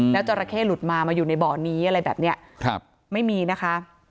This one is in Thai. แล้วจราเข้หลุดมามาอยู่ในบ่อนี้อะไรแบบนี้ไม่มีนะคะ